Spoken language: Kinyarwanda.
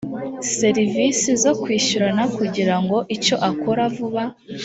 serivisi zo kwishyurana kugira icyo akora vuba